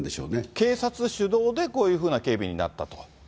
警察主導で、こういうふうな警備になったと。